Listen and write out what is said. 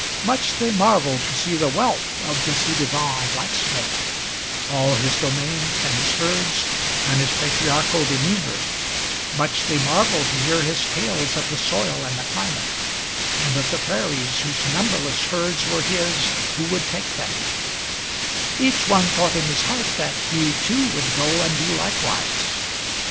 Much they marvelled to see the wealth of the ci devant blacksmith, All his domains and his herds, and his patriarchal demeanor; Much they marvelled to hear his tales of the soil and the climate, And of the prairies, whose numberless herds were his who would take them; Each one thought in his heart, that he, too, would go and do likewise.